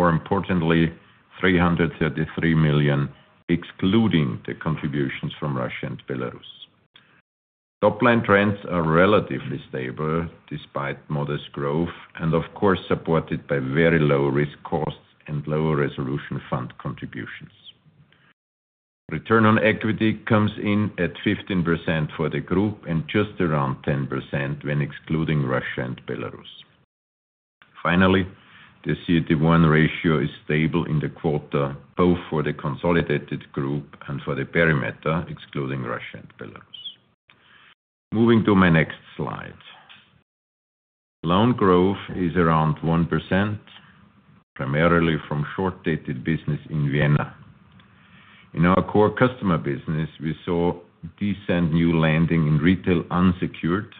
More importantly, 333 million, excluding the contributions from Russia and Belarus. Top-line trends are relatively stable despite modest growth and, of course, supported by very low risk costs and lower resolution fund contributions. Return on equity comes in at 15% for the group and just around 10% when excluding Russia and Belarus. Finally, the CET1 ratio is stable in the quarter, both for the consolidated group and for the perimeter, excluding Russia and Belarus. Moving to my next slide. Loan growth is around 1%, primarily from short-dated business in Vienna. In our core customer business, we saw decent new lending in retail unsecured,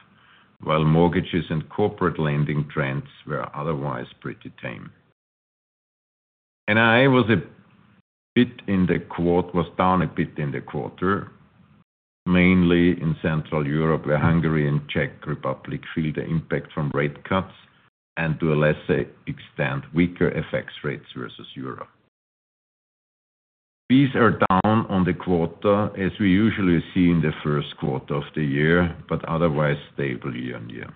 while mortgages and corporate lending trends were otherwise pretty tame. NII was a bit down in the quarter, mainly in Central Europe where Hungary and Czech Republic feel the impact from rate cuts and, to a lesser extent, weaker FX rates versus Europe. These are down quarter-on-quarter as we usually see in the first quarter of the year, but otherwise stable year-on-year.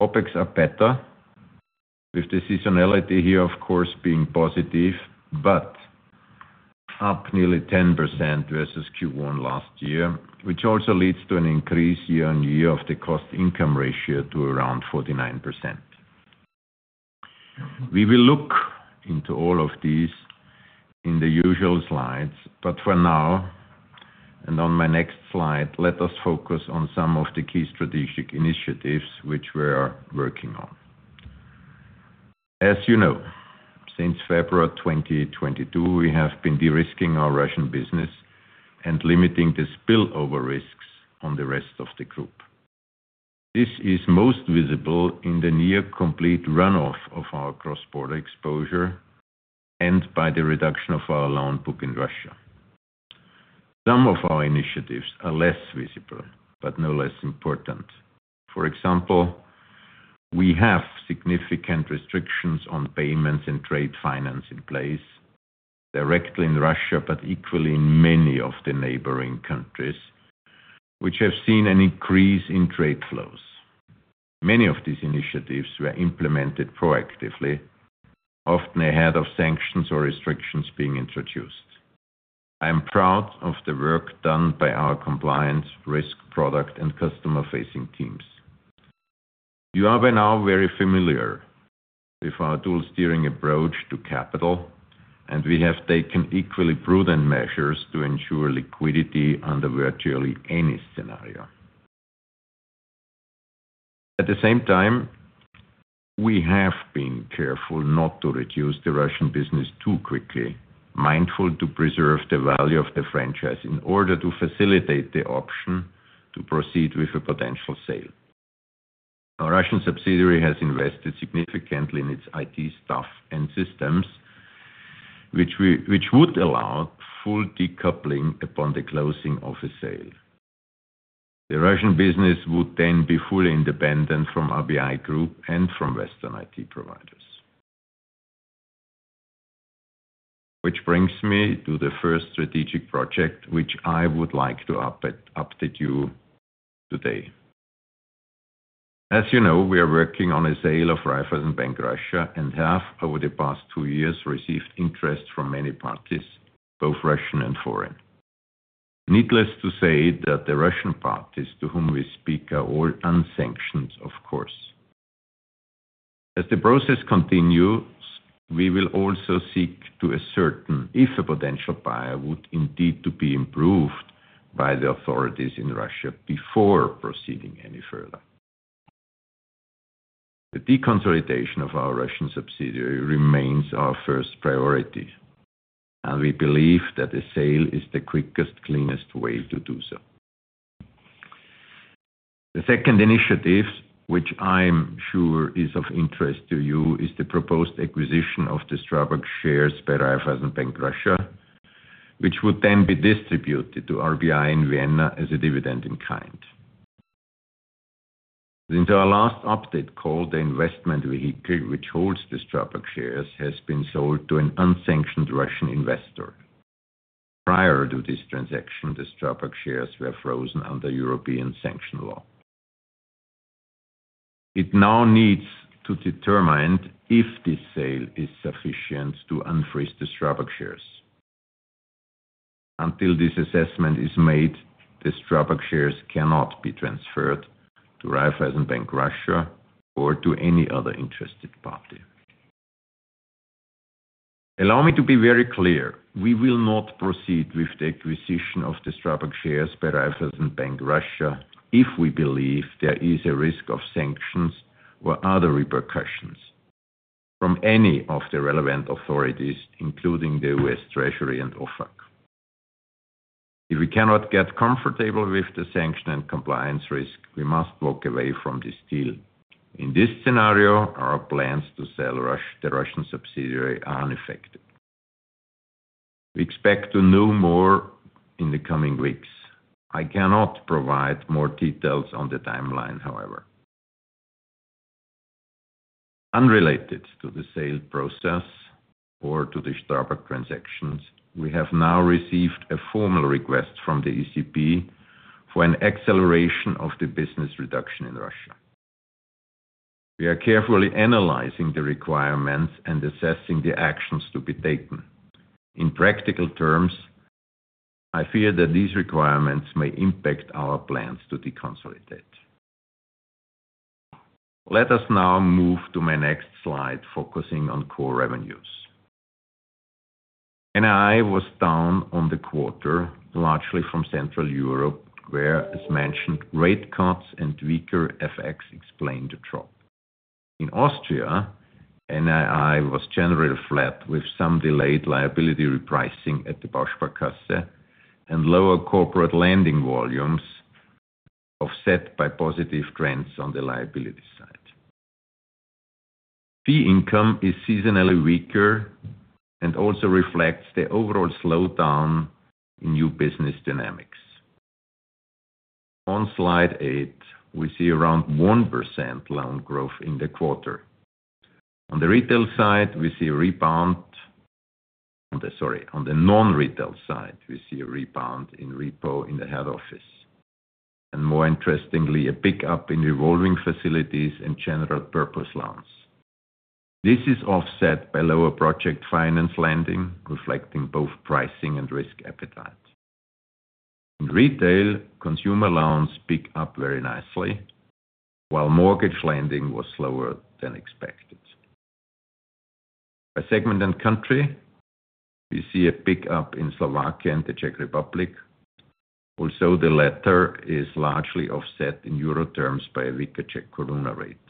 OpEx are better, with the seasonality here, of course, being positive, but up nearly 10% versus Q1 last year, which also leads to an increase year-on-year of the cost-income ratio to around 49%. We will look into all of these in the usual slides, but for now, on my next slide, let us focus on some of the key strategic initiatives which we are working on. As you know, since February 2022, we have been de-risking our Russian business and limiting the spillover risks on the rest of the group. This is most visible in the near-complete runoff of our cross-border exposure and by the reduction of our loan book in Russia. Some of our initiatives are less visible but no less important. For example, we have significant restrictions on payments and trade finance in place, directly in Russia but equally in many of the neighboring countries, which have seen an increase in trade flows. Many of these initiatives were implemented proactively, often ahead of sanctions or restrictions being introduced. I am proud of the work done by our compliance, risk, product, and customer-facing teams. You are by now very familiar with our dual-steering approach to capital, and we have taken equally prudent measures to ensure liquidity under virtually any scenario. At the same time, we have been careful not to reduce the Russian business too quickly, mindful to preserve the value of the franchise in order to facilitate the option to proceed with a potential sale. Our Russian subsidiary has invested significantly in its IT staff and systems, which would allow full decoupling upon the closing of a sale. The Russian business would then be fully independent from RBI Group and from Western IT providers. Which brings me to the first strategic project which I would like to update you today. As you know, we are working on a sale of Raiffeisen Bank Russia and have, over the past two years, received interest from many parties, both Russian and foreign. Needless to say that the Russian parties to whom we speak are all unsanctioned, of course. As the process continues, we will also seek to ascertain if a potential buyer would indeed be approved by the authorities in Russia before proceeding any further. The deconsolidation of our Russian subsidiary remains our first priority, and we believe that a sale is the quickest, cleanest way to do so. The second initiative, which I am sure is of interest to you, is the proposed acquisition of the Strabag shares by Raiffeisen Bank Russia, which would then be distributed to RBI in Vienna as a dividend in kind. Since our last update call, the investment vehicle which holds the Strabag shares has been sold to an unsanctioned Russian investor. Prior to this transaction, the Strabag shares were frozen under European sanction law. We now need to determine if this sale is sufficient to unfreeze the Strabag shares. Until this assessment is made, the Strabag shares cannot be transferred to Raiffeisen Bank Russia or to any other interested party. Allow me to be very clear: we will not proceed with the acquisition of the Strabag shares by Raiffeisen Bank Russia if we believe there is a risk of sanctions or other repercussions from any of the relevant authorities, including the U.S. Treasury and OFAC. If we cannot get comfortable with the sanction and compliance risk, we must walk away from this deal. In this scenario, our plans to sell the Russian subsidiary are unaffected. We expect to know more in the coming weeks. I cannot provide more details on the timeline, however. Unrelated to the sale process or to the Strabag transactions, we have now received a formal request from the ECB for an acceleration of the business reduction in Russia. We are carefully analyzing the requirements and assessing the actions to be taken. In practical terms, I fear that these requirements may impact our plans to deconsolidate. Let us now move to my next slide, focusing on core revenues. NII was down on the quarter, largely from Central Europe, where, as mentioned, rate cuts and weaker FX explained the drop. In Austria, NII was generally flat, with some delayed liability repricing at the Bausparkasse and lower corporate lending volumes offset by positive trends on the liability side. Fee income is seasonally weaker and also reflects the overall slowdown in new business dynamics. On slide eight, we see around 1% loan growth in the quarter. On the retail side, we see a rebound on the sorry, on the non-retail side, we see a rebound in repo in the head office. And more interestingly, a pickup in revolving facilities and general-purpose loans. This is offset by lower project finance lending, reflecting both pricing and risk appetite. In retail, consumer loans pick up very nicely, while mortgage lending was slower than expected. By segment and country, we see a pickup in Slovakia and the Czech Republic. Also, the latter is largely offset in euro terms by a weaker Czech koruna rate.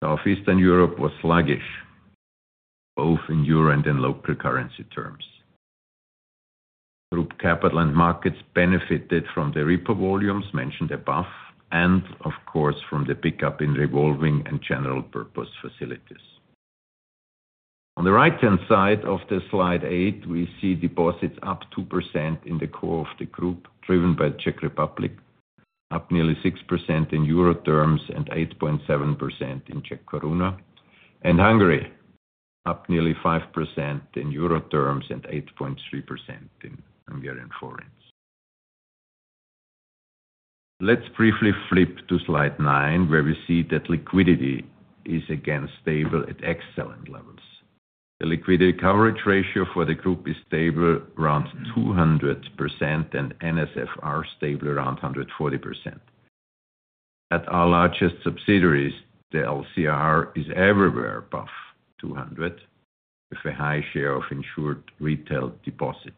Now, Eastern Europe was sluggish, both in euro and in local currency terms. Group capital and markets benefited from the repo volumes mentioned above and, of course, from the pickup in revolving and general-purpose facilities. On the right-hand side of the slide eight, we see deposits up 2% in the core of the group, driven by the Czech Republic, up nearly 6% in Euro terms and 8.7% in Czech koruna, and Hungary, up nearly 5% in Euro terms and 8.3% in Hungarian forints. Let's briefly flip to slide nine, where we see that liquidity is again stable at excellent levels. The liquidity coverage ratio for the group is stable around 200% and NSFR stable around 140%. At our largest subsidiaries, the LCR is everywhere above 200%, with a high share of insured retail deposits.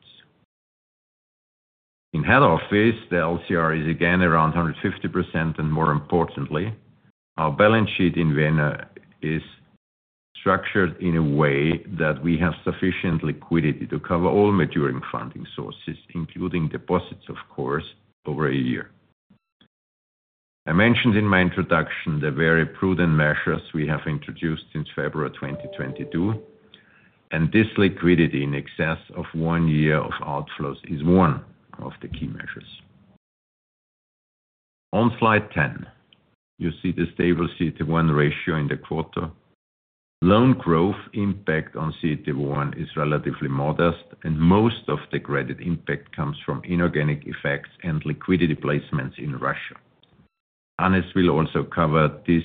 In head office, the LCR is again around 150% and, more importantly, our balance sheet in Vienna is structured in a way that we have sufficient liquidity to cover all maturing funding sources, including deposits, of course, over a year. I mentioned in my introduction the very prudent measures we have introduced since February 2022, and this liquidity in excess of one year of outflows is one of the key measures. On slide 10, you see the stable CET1 ratio in the quarter. Loan growth impact on CET1 is relatively modest, and most of the credit impact comes from inorganic [FX] and liquidity placements in Russia. Hannes will also cover this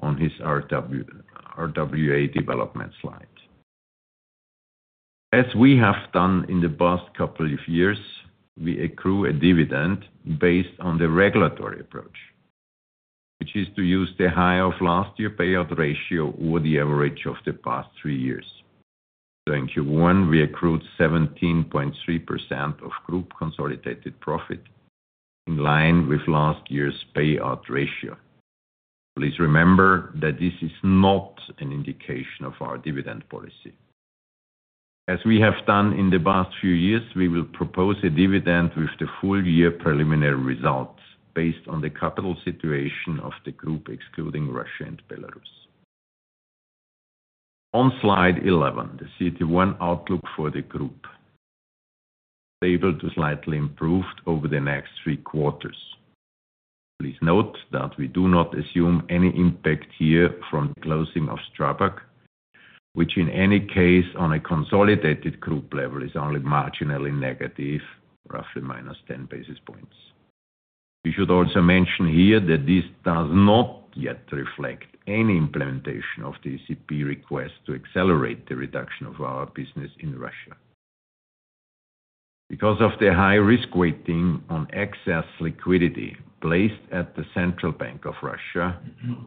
on his RWA development slide. As we have done in the past couple of years, we accrue a dividend based on the regulatory approach, which is to use the high of last year payout ratio or the average of the past three years. So in Q1, we accrued 17.3% of group consolidated profit, in line with last year's payout ratio. Please remember that this is not an indication of our dividend policy. As we have done in the past few years, we will propose a dividend with the full year preliminary results based on the capital situation of the group excluding Russia and Belarus. On slide 11, the CET1 outlook for the group: stable to slightly improved over the next three quarters. Please note that we do not assume any impact here from the closing of Strabag, which in any case on a consolidated group level is only marginally negative, roughly -10 basis points. We should also mention here that this does not yet reflect any implementation of the ECB request to accelerate the reduction of our business in Russia. Because of the high risk weighting on excess liquidity placed at the Central Bank of Russia,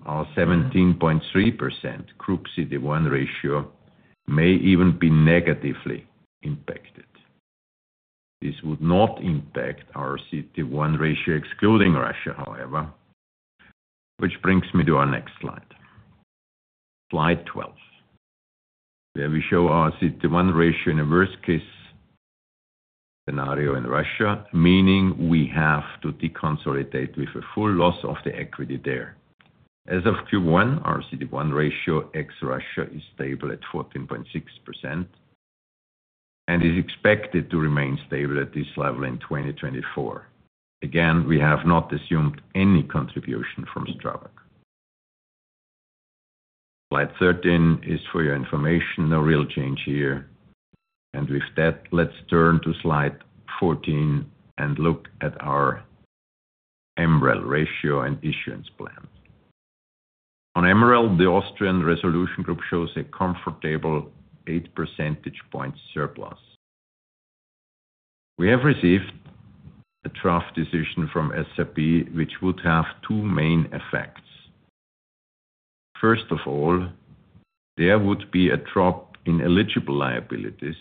our 17.3% group CET1 ratio may even be negatively impacted. This would not impact our CET1 ratio excluding Russia, however, which brings me to our next slide. Slide 12, where we show our CET1 ratio in a worst-case scenario in Russia, meaning we have to deconsolidate with a full loss of the equity there. As of Q1, our CET1 ratio ex-Russia is stable at 14.6% and is expected to remain stable at this level in 2024. Again, we have not assumed any contribution from Strabag. Slide 13 is for your information, no real change here. And with that, let's turn to slide 14 and look at our MREL ratio and issuance plan. On MREL, the Austrian Resolution Group shows a comfortable 8 percentage points surplus. We have received a draft decision from SRB, which would have two main effects. First of all, there would be a drop in eligible liabilities,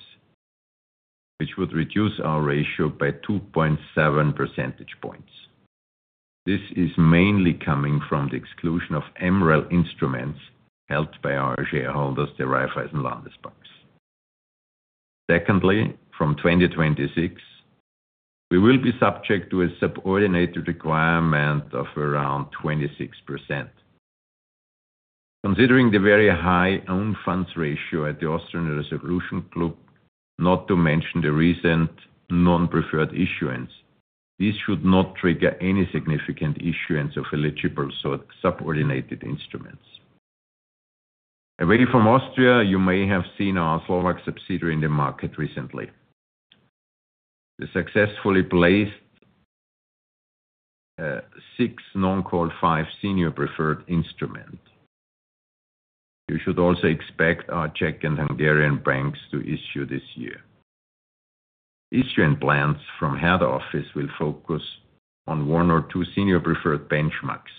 which would reduce our ratio by 2.7 percentage points. This is mainly coming from the exclusion of MREL instruments held by our shareholders, the Raiffeisen-Landesbanken. Secondly, from 2026, we will be subject to a subordinated requirement of around 26%. Considering the very high own funds ratio at the Austrian Resolution Group, not to mention the recent non-preferred issuance, this should not trigger any significant issuance of eligible subordinated instruments. Away from Austria, you may have seen our Slovak subsidiary in the market recently. The successfully placed six non-called five senior preferred instruments. You should also expect our Czech and Hungarian banks to issue this year. Issuance plans from head office will focus on one or two senior preferred benchmarks.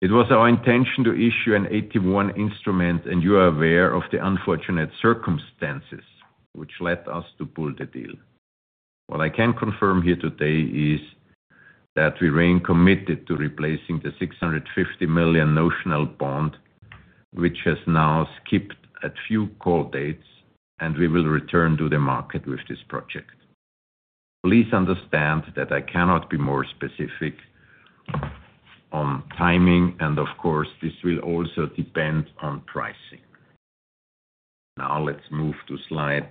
It was our intention to issue an AT1 instrument, and you are aware of the unfortunate circumstances which led us to pull the deal. What I can confirm here today is that we remain committed to replacing the 650 million notional bond, which has now skipped a few call dates, and we will return to the market with this project. Please understand that I cannot be more specific on timing, and of course, this will also depend on pricing. Now let's move to slide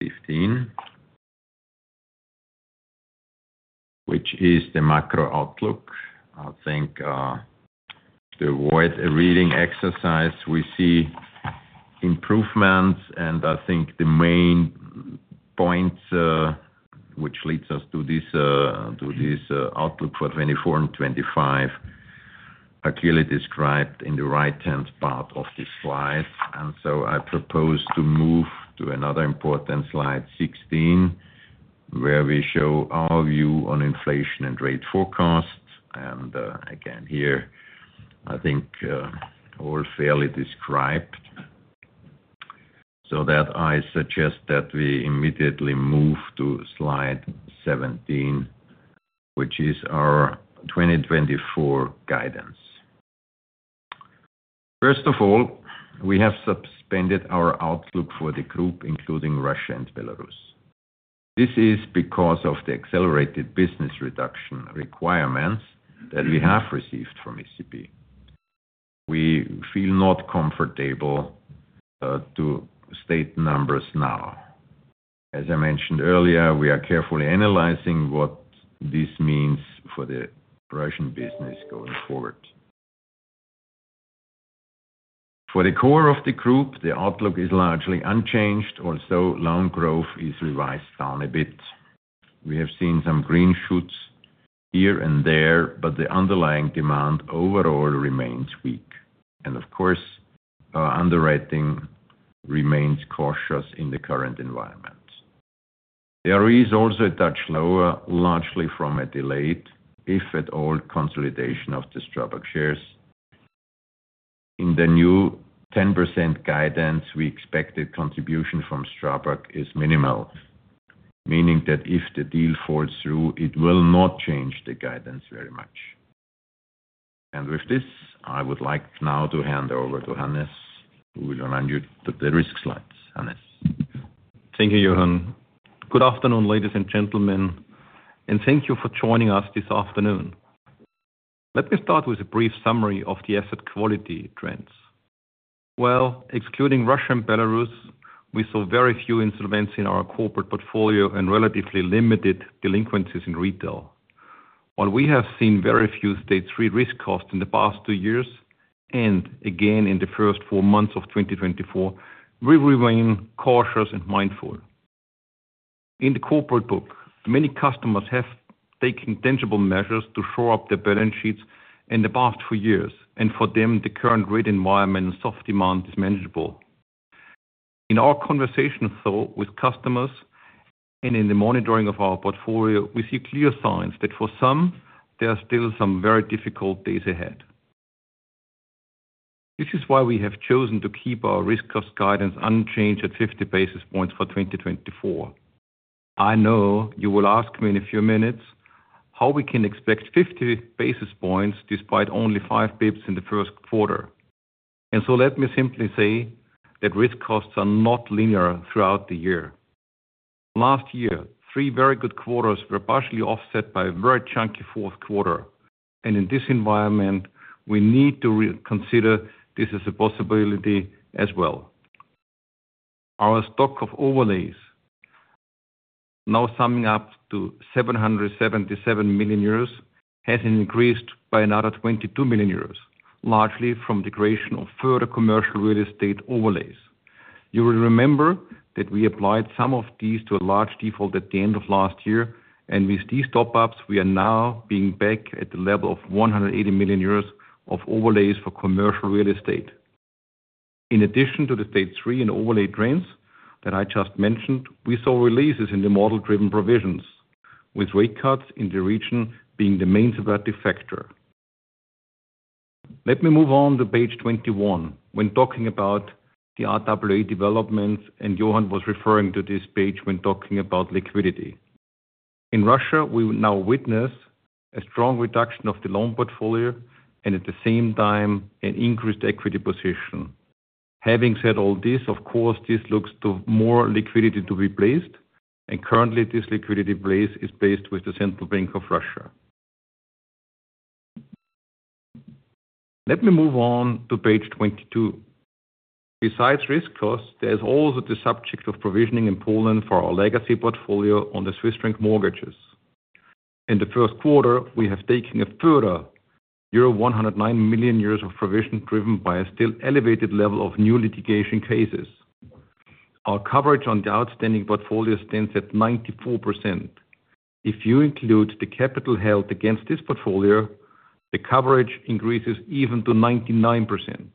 15, which is the macro outlook. I think to avoid a reading exercise, we see improvements, and I think the main points which lead us to this outlook for 2024 and 2025 are clearly described in the right-hand part of this slide. I propose to move to another important slide, 16, where we show our view on inflation and rate forecast. Again, here, I think all fairly described. I suggest that we immediately move to slide 17, which is our 2024 guidance. First of all, we have suspended our outlook for the group, including Russia and Belarus. This is because of the accelerated business reduction requirements that we have received from ECB. We feel not comfortable to state numbers now. As I mentioned earlier, we are carefully analyzing what this means for the Russian business going forward. For the core of the group, the outlook is largely unchanged. Also, loan growth is revised down a bit. We have seen some green shoots here and there, but the underlying demand overall remains weak. And of course, our underwriting remains cautious in the current environment. The ROE is also a touch lower, largely from a delayed, if at all, consolidation of the Strabag shares. In the new 10% guidance, we expected contribution from Strabag is minimal, meaning that if the deal falls through, it will not change the guidance very much. And with this, I would like now to hand over to Hannes, who will run the risk slides. Hannes. Thank you, Johann. Good afternoon, ladies and gentlemen, and thank you for joining us this afternoon. Let me start with a brief summary of the asset quality trends. Well, excluding Russia and Belarus, we saw very few insolvencies in our corporate portfolio and relatively limited delinquencies in retail. While we have seen very few Stage 3 risk costs in the past two years and again in the first four months of 2024, we remain cautious and mindful. In the corporate book, many customers have taken tangible measures to shore up their balance sheets in the past four years, and for them, the current rate environment and soft demand is manageable. In our conversations, though, with customers and in the monitoring of our portfolio, we see clear signs that for some, there are still some very difficult days ahead. This is why we have chosen to keep our risk cost guidance unchanged at 50 basis points for 2024. I know you will ask me in a few minutes how we can expect 50 basis points despite only 5 basis points in the first quarter. And so let me simply say that risk costs are not linear throughout the year. Last year, three very good quarters were partially offset by a very chunky fourth quarter. And in this environment, we need to consider this as a possibility as well. Our stock of overlays, now summing up to 777 million euros, has increased by another 22 million euros, largely from the creation of further commercial real estate overlays. You will remember that we applied some of these to a large default at the end of last year, and with these top-ups, we are now being back at the level of 180 million euros of overlays for commercial real estate. In addition to the Stage 3 and overlay trends that I just mentioned, we saw releases in the model-driven provisions, with rate cuts in the region being the main subjective factor. Let me move on to page 21 when talking about the RWA developments, and Johann was referring to this page when talking about liquidity. In Russia, we now witness a strong reduction of the loan portfolio and at the same time an increased equity position. Having said all this, of course, this looks to more liquidity to be placed, and currently, this liquidity place is placed with the Central Bank of Russia. Let me move on to page 22. Besides risk costs, there is also the subject of provisioning in Poland for our legacy portfolio on the Swiss franc mortgages. In the first quarter, we have taken a further euro 109 million of provision driven by a still elevated level of new litigation cases. Our coverage on the outstanding portfolio stands at 94%. If you include the capital held against this portfolio, the coverage increases even to 99%.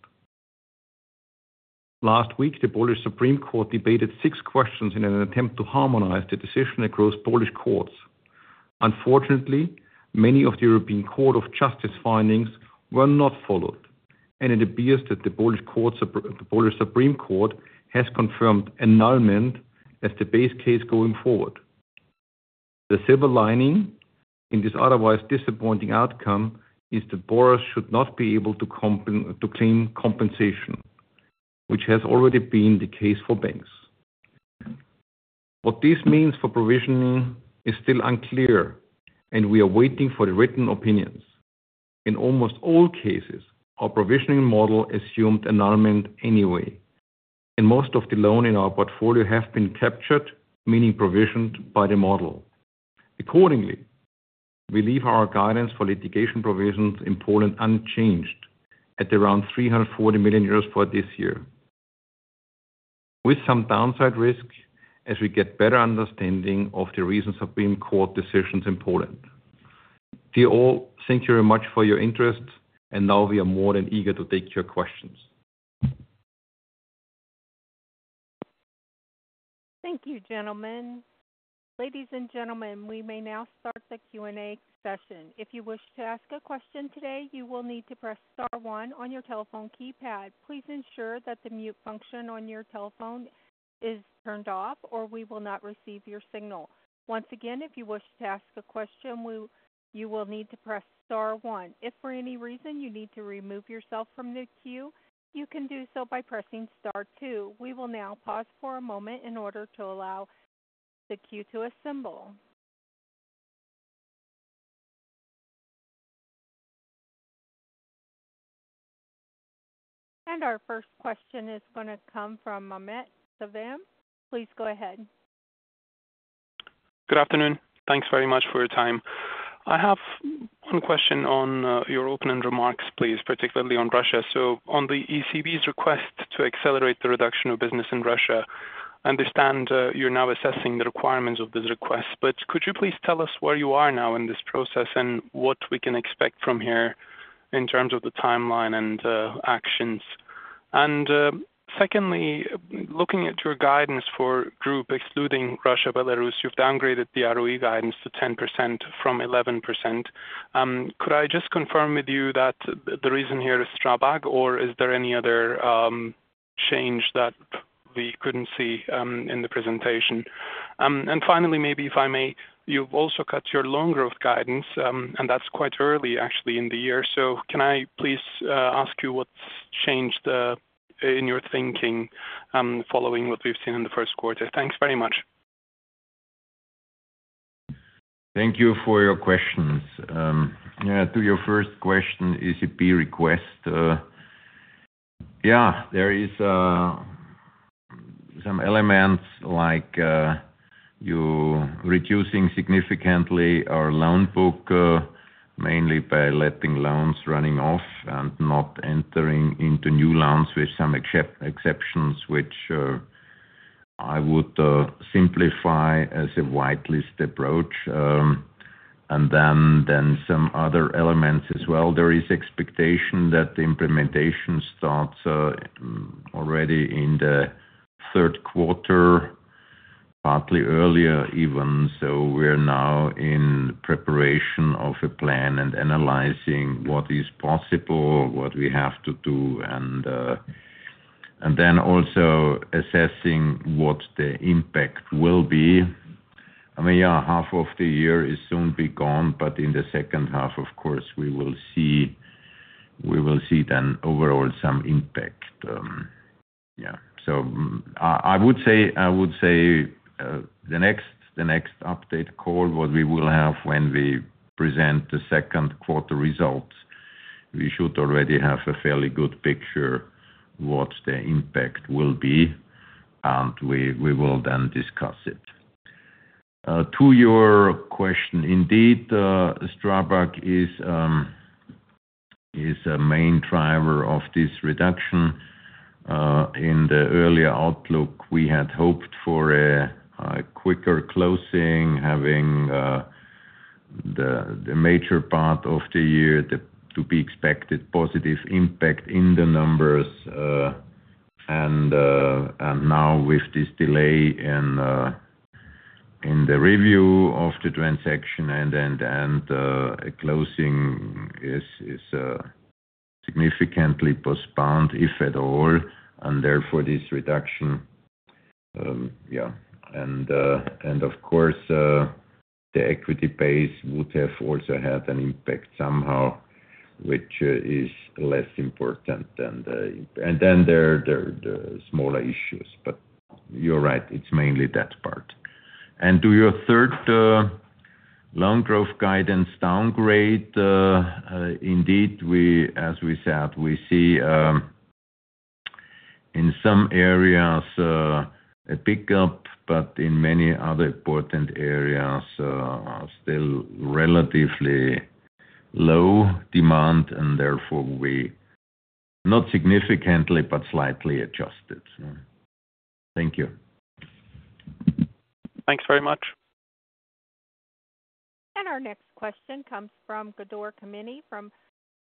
Last week, the Polish Supreme Court debated six questions in an attempt to harmonize the decision across Polish courts. Unfortunately, many of the European Court of Justice findings were not followed, and it appears that the Polish Supreme Court has confirmed annulment as the base case going forward. The silver lining in this otherwise disappointing outcome is that borrowers should not be able to claim compensation, which has already been the case for banks. What this means for provisioning is still unclear, and we are waiting for the written opinions. In almost all cases, our provisioning model assumed annulment anyway, and most of the loans in our portfolio have been captured, meaning provisioned, by the model. Accordingly, we leave our guidance for litigation provisions in Poland unchanged at around 340 million euros for this year, with some downside risk as we get better understanding of the recent Supreme Court decisions in Poland. Dear all, thank you very much for your interest, and now we are more than eager to take your questions. Thank you, gentlemen. Ladies and gentlemen, we may now start the Q&A session. If you wish to ask a question today, you will need to press star one on your telephone keypad. Please ensure that the mute function on your telephone is turned off, or we will not receive your signal. Once again, if you wish to ask a question, you will need to press star one. If for any reason you need to remove yourself from the queue, you can do so by pressing star two. We will now pause for a moment in order to allow the queue to assemble. And our first question is going to come from Mehmet Sevim. Please go ahead. Good afternoon. Thanks very much for your time. I have one question on your opening remarks, please, particularly on Russia. So on the ECB's request to accelerate the reduction of business in Russia, I understand you're now assessing the requirements of this request, but could you please tell us where you are now in this process and what we can expect from here in terms of the timeline and actions? And secondly, looking at your guidance for group excluding Russia, Belarus, you've downgraded the ROE guidance to 10% from 11%. Could I just confirm with you that the reason here is Strabag, or is there any other change that we couldn't see in the presentation? And finally, maybe if I may, you've also cut your loan growth guidance, and that's quite early, actually, in the year. So can I please ask you what's changed in your thinking following what we've seen in the first quarter? Thanks very much. Thank you for your questions. Yeah, to your first question, ECB request. Yeah, there are some elements like reducing significantly our loan book, mainly by letting loans running off and not entering into new loans with some exceptions, which I would simplify as a whitelist approach. And then some other elements as well. There is expectation that the implementation starts already in the third quarter, partly earlier even. So we are now in preparation of a plan and analyzing what is possible, what we have to do, and then also assessing what the impact will be. I mean, yeah, half of the year is soon be gone, but in the second half, of course, we will see then overall some impact. Yeah. So I would say the next update call, what we will have when we present the second quarter results, we should already have a fairly good picture of what the impact will be, and we will then discuss it. To your question, indeed, Strabag is a main driver of this reduction. In the earlier outlook, we had hoped for a quicker closing, having the major part of the year to be expected positive impact in the numbers. And now with this delay in the review of the transaction and a closing is significantly postponed, if at all, and therefore this reduction. Yeah. And of course, the equity base would have also had an impact somehow, which is less important. And then there are smaller issues. But you're right, it's mainly that part. And to your third loan growth guidance downgrade, indeed, as we said, we see in some areas a pickup, but in many other important areas still relatively low demand, and therefore not significantly, but slightly adjusted. Thank you. Thanks very much. And our next question comes from Gabor Kemeny from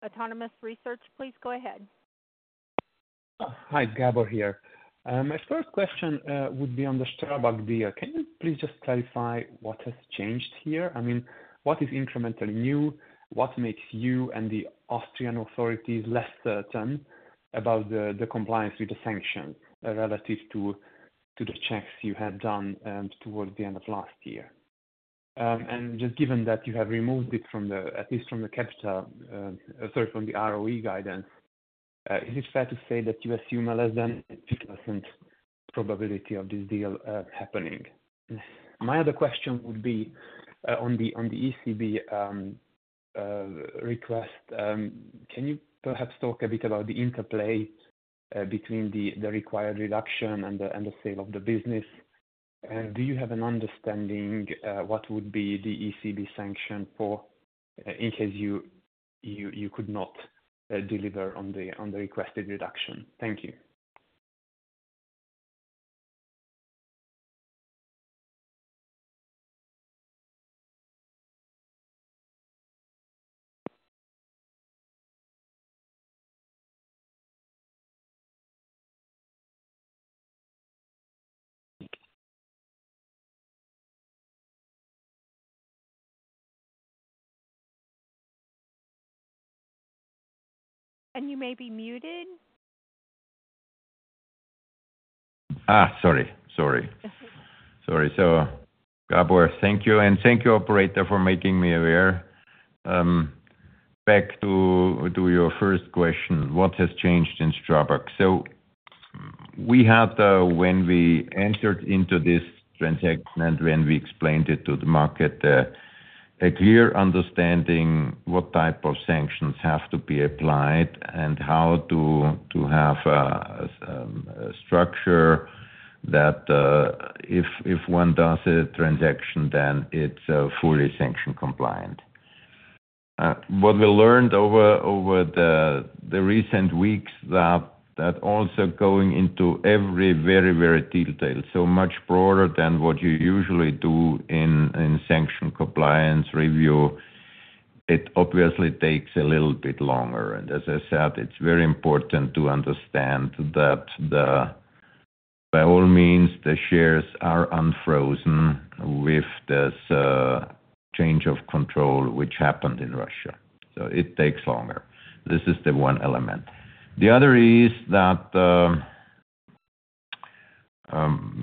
Autonomous Research. Please go ahead. Hi, Gabor here. My first question would be on the Strabag deal. Can you please just clarify what has changed here? I mean, what is incrementally new? What makes you and the Austrian authorities less certain about the compliance with the sanctions relative to the checks you had done towards the end of last year? And just given that you have removed it from the at least from the capital sorry, from the ROE guidance, is it fair to say that you assume a less than 50% probability of this deal happening? My other question would be on the ECB request. Can you perhaps talk a bit about the interplay between the required reduction and the sale of the business? And do you have an understanding what would be the ECB sanction in case you could not deliver on the requested reduction? Thank you. And you may be muted. Sorry. Sorry. Sorry. So Gabor, thank you. And thank you, operator, for making me aware. Back to your first question. What has changed in Strabag? So we had, when we entered into this transaction and when we explained it to the market, a clear understanding what type of sanctions have to be applied and how to have a structure that if one does a transaction, then it's fully sanction compliant. What we learned over the recent weeks that also going into every very, very detail, so much broader than what you usually do in sanction compliance review, it obviously takes a little bit longer. And as I said, it's very important to understand that by all means, the shares are unfrozen with this change of control, which happened in Russia. So it takes longer. This is the one element. The other is that,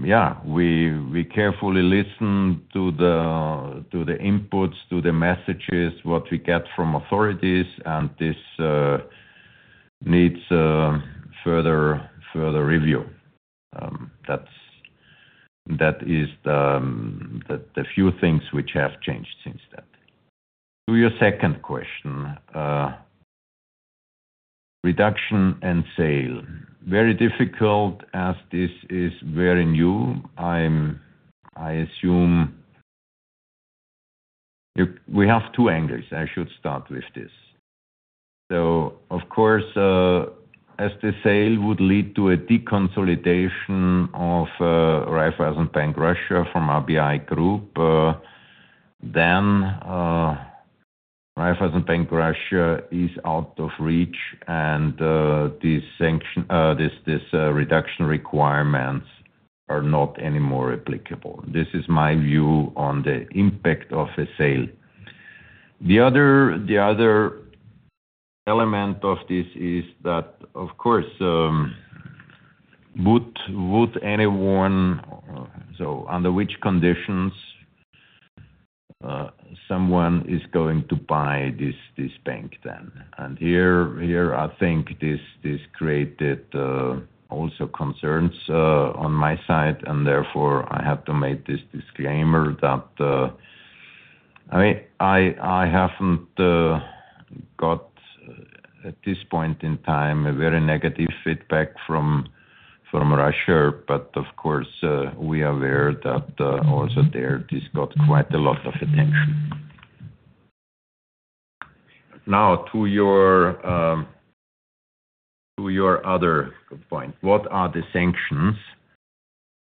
yeah, we carefully listen to the inputs, to the messages, what we get from authorities, and this needs further review. That is the few things which have changed since that. To your second question, reduction and sale. Very difficult as this is very new. I assume we have two angles. I should start with this. So of course, as the sale would lead to a deconsolidation of Raiffeisen Bank Russia from RBI Group, then Raiffeisen Bank Russia is out of reach, and these reduction requirements are not anymore applicable. This is my view on the impact of a sale. The other element of this is that, of course, would anyone so under which conditions someone is going to buy this bank then? And here, I think this created also concerns on my side, and therefore I had to make this disclaimer that I mean, I haven't got at this point in time a very negative feedback from Russia, but of course, we are aware that also there this got quite a lot of attention. Now, to your other point, what are the sanctions?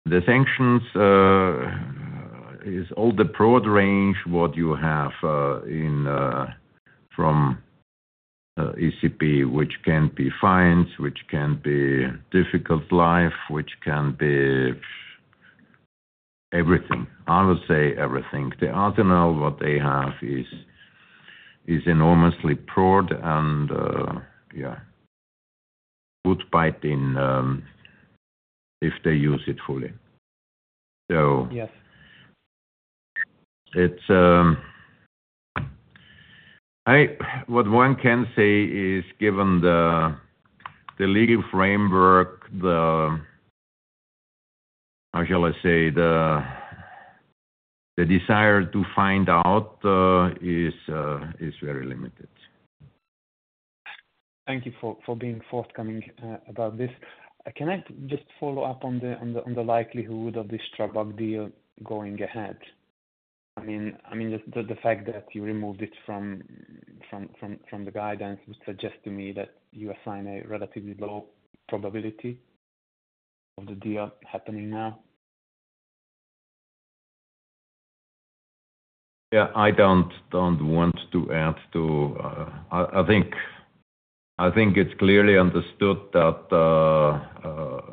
The sanctions is all the broad range what you have from ECB, which can be fines, which can be difficult life, which can be everything. I would say everything. The arsenal what they have is enormously broad, and yeah, would bite if they use it fully. So what one can say is, given the legal framework, how shall I say, the desire to find out is very limited. Thank you for being forthcoming about this. Can I just follow up on the likelihood of this Strabag deal going ahead? I mean, just the fact that you removed it from the guidance would suggest to me that you assign a relatively low probability of the deal happening now. Yeah, I don't want to add to. I think it's clearly understood that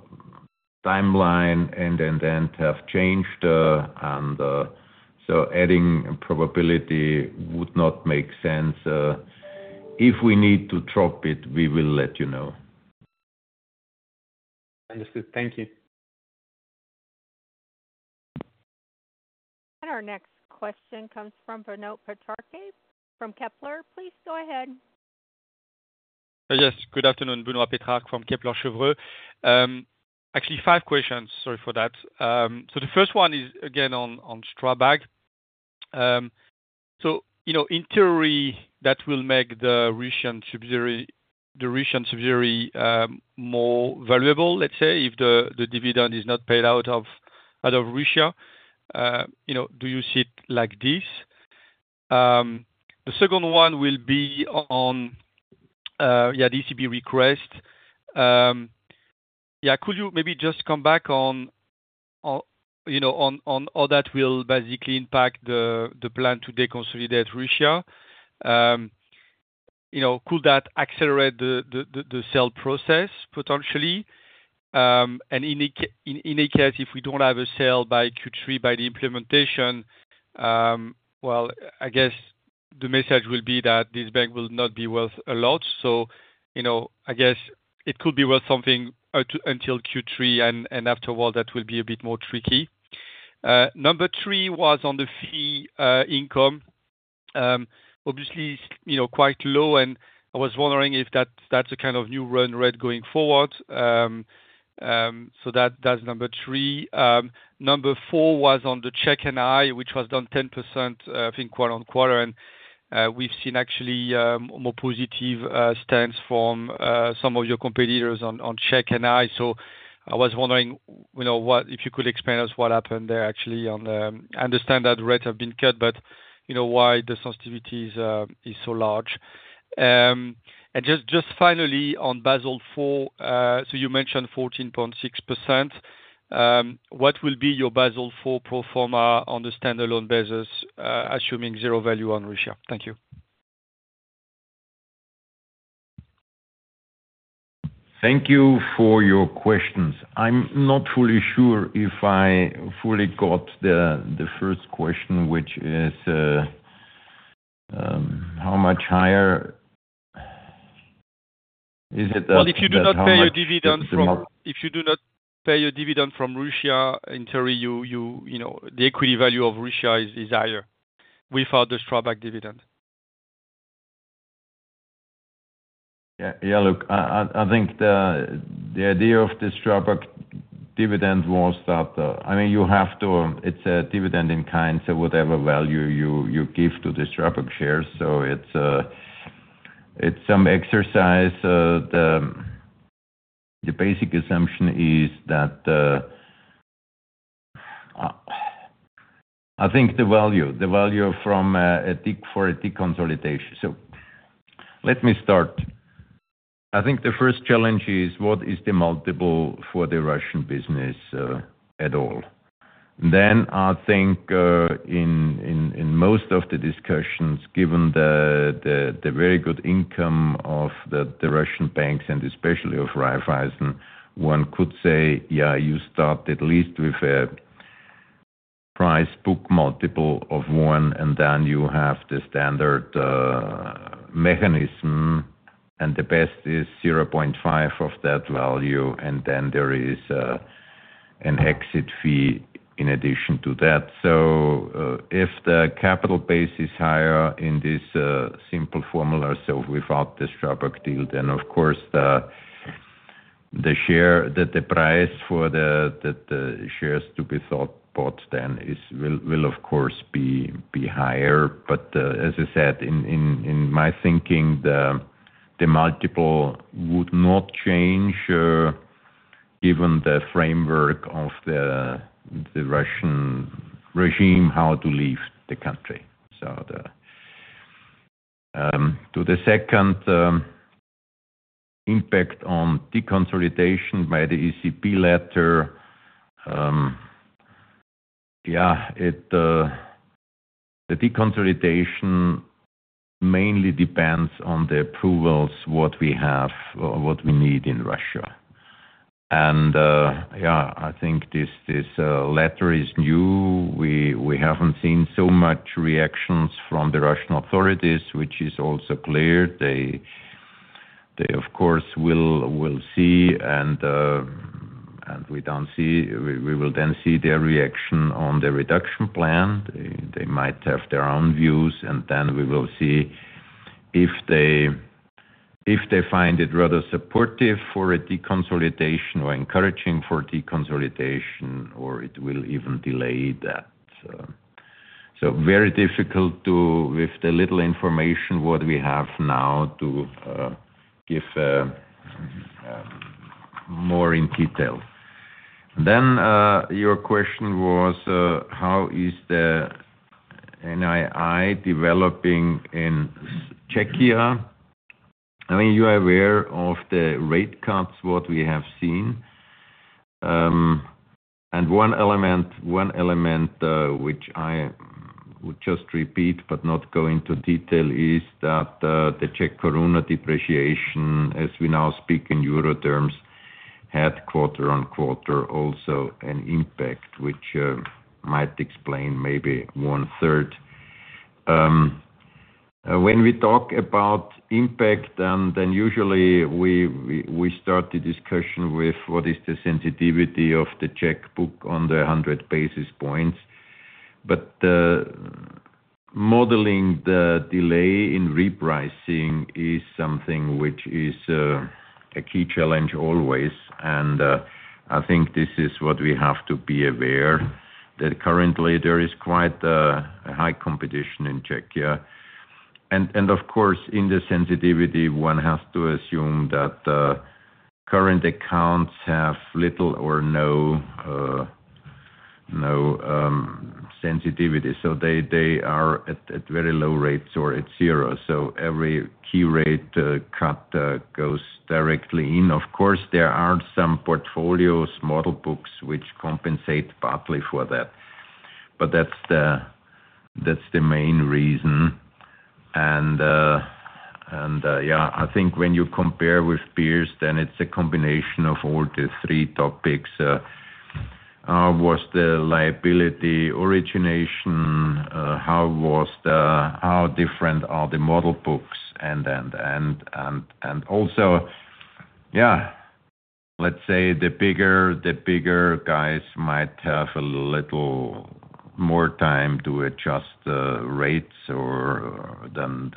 timeline and end-to-end have changed, and so adding probability would not make sense. If we need to drop it, we will let you know. Understood. Thank you. And our next question comes from Benoit Petrarque from Kepler. Please go ahead. Yes. Good afternoon. Benoit Petrarque from Kepler Cheuvreux. Actually, five questions. Sorry for that. So the first one is, again, on Strabag. So in theory, that will make the Russian subsidiary more valuable, let's say, if the dividend is not paid out of Russia. Do you see it like this? The second one will be on, yeah, the ECB request. Yeah, could you maybe just come back on all that will basically impact the plan to deconsolidate Russia? Could that accelerate the sale process, potentially? In that case, if we don't have a sale by Q3 by the implementation, well, I guess the message will be that this bank will not be worth a lot. So I guess it could be worth something until Q3, and afterward, that will be a bit more tricky. Number three was on the fee income. Obviously, quite low, and I was wondering if that's a kind of new run-rate going forward. So that's number three. Number four was on the cost-income, which was down 10%, I think, quarter-on-quarter. And we've seen, actually, more positive stance from some of your competitors on cost-income. So I was wondering if you could explain to us what happened there, actually. I understand that rates have been cut, but why the sensitivity is so large. Just finally, on Basel IV, so you mentioned 14.6%. What will be your Basel IV pro forma on the standalone basis, assuming zero value on Russia? Thank you. Thank you for your questions. I'm not fully sure if I fully got the first question, which is how much higher is it that? Well, if you do not pay your dividend from if you do not pay your dividend from Russia, in theory, the equity value of Russia is higher without the Strabag dividend. Yeah. Yeah. Look, I think the idea of the Strabag dividend was that I mean, you have to it's a dividend in kind, so whatever value you give to the Strabag shares. So it's some exercise. The basic assumption is that I think the value from for a deconsolidation so let me start. I think the first challenge is what is the multiple for the Russian business at all? Then I think in most of the discussions, given the very good income of the Russian banks and especially of Raiffeisen, one could say, yeah, you start at least with a price book multiple of 1, and then you have the standard mechanism, and the best is 0.5 of that value, and then there is an exit fee in addition to that. So if the capital base is higher in this simple formula, so without the Strabag deal, then of course, the price for the shares to be bought then will, of course, be higher. But as I said, in my thinking, the multiple would not change given the framework of the Russian regime, how to leave the country. So to the second impact on deconsolidation by the ECB letter, yeah, the deconsolidation mainly depends on the approvals, what we have, what we need in Russia. Yeah, I think this letter is new. We haven't seen so much reactions from the Russian authorities, which is also clear. They, of course, will see, and we will then see their reaction on the reduction plan. They might have their own views, and then we will see if they find it rather supportive for a deconsolidation or encouraging for deconsolidation, or it will even delay that. Very difficult with the little information what we have now to give more in detail. Then your question was, how is the NII developing in Czechia? I mean, you are aware of the rate cuts, what we have seen. One element, which I would just repeat but not go into detail, is that the Czech koruna depreciation, as we now speak in euro terms, had quarter-on-quarter also an impact, which might explain maybe 1/3. When we talk about impact, then usually, we start the discussion with what is the sensitivity of the Czech book on the 100 basis points. But modeling the delay in repricing is something which is a key challenge always, and I think this is what we have to be aware, that currently, there is quite a high competition in Czechia. And of course, in the sensitivity, one has to assume that current accounts have little or no sensitivity. So they are at very low rates or at zero. So every key rate cut goes directly in. Of course, there are some portfolios, model books, which compensate partly for that. But that's the main reason. And yeah, I think when you compare with peers, then it's a combination of all the three topics. How was the liability origination? How different are the model books? And also, yeah, let's say the bigger guys might have a little more time to adjust rates than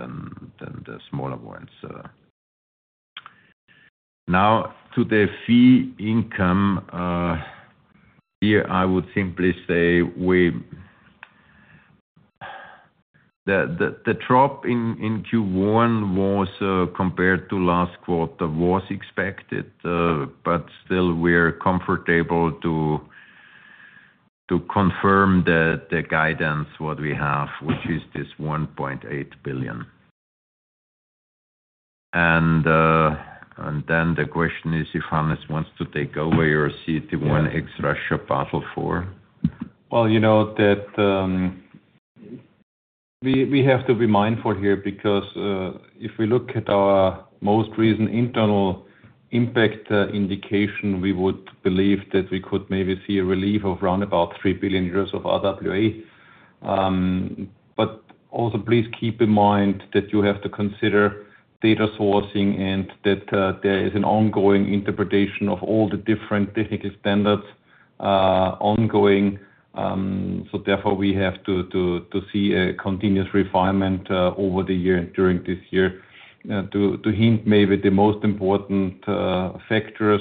the smaller ones. Now, to the fee income, here, I would simply say the drop in Q1 was compared to last quarter was expected, but still, we're comfortable to confirm the guidance, what we have, which is this 1.8 billion. And then the question is if Hannes wants to take over your CET1 ex-Russia Basel IV. Well, you know that we have to be mindful here because if we look at our most recent internal impact indication, we would believe that we could maybe see a relief of round about 3 billion euros of RWA. But also, please keep in mind that you have to consider data sourcing and that there is an ongoing interpretation of all the different technical standards ongoing. So therefore, we have to see a continuous refinement over the year during this year to hint maybe the most important factors.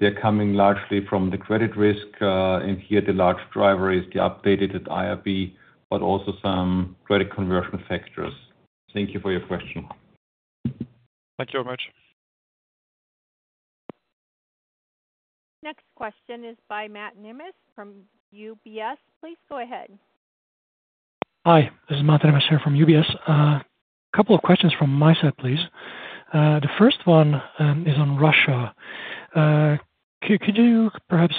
They're coming largely from the credit risk, and here, the large driver is the updated IRB, but also some credit conversion factors. Thank you for your question. Thank you very much. Next question is by Máté Nemes from UBS. Please go ahead. Hi. This is Máté Nemes here from UBS. A couple of questions from my side, please. The first one is on Russia. Could you perhaps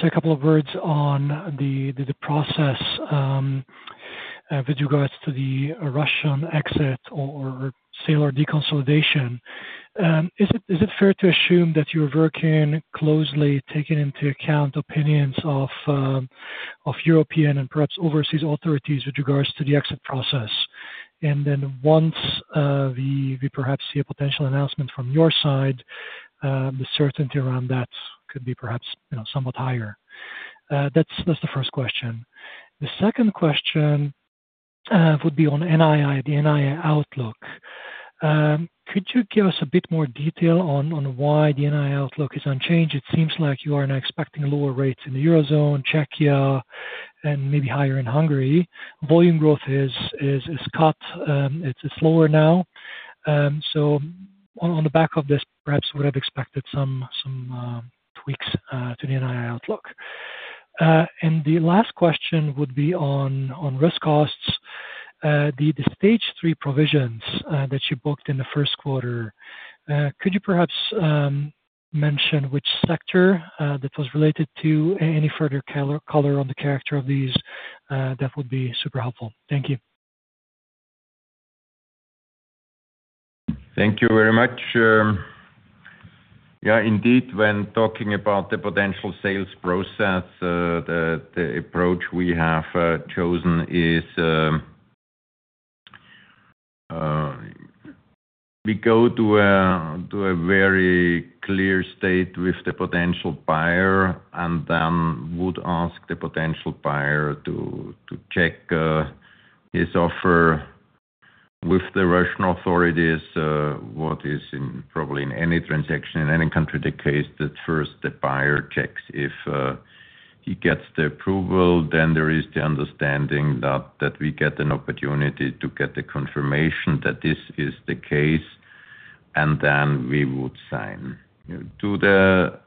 say a couple of words on the process with regards to the Russian exit or sale or deconsolidation? Is it fair to assume that you're working closely, taking into account opinions of European and perhaps overseas authorities with regards to the exit process? And then once we perhaps see a potential announcement from your side, the certainty around that could be perhaps somewhat higher. That's the first question. The second question would be on NII, the NII outlook. Could you give us a bit more detail on why the NII outlook is unchanged? It seems like you are now expecting lower rates in the eurozone, Czechia, and maybe higher in Hungary. Volume growth is cut. It's lower now. So on the back of this, perhaps we would have expected some tweaks to the NII outlook. And the last question would be on risk costs. The Stage 3 provisions that you booked in the first quarter, could you perhaps mention which sector that was related to? Any further color on the character of these, that would be super helpful. Thank you. Thank you very much. Yeah, indeed, when talking about the potential sales process, the approach we have chosen is we go to a very clear state with the potential buyer and then would ask the potential buyer to check his offer with the Russian authorities. What is probably in any transaction, in any country the case, that first the buyer checks if he gets the approval, then there is the understanding that we get an opportunity to get the confirmation that this is the case, and then we would sign. To the